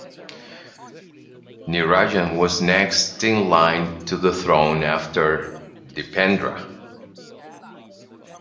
Nirajan was next in line to the throne after Dipendra.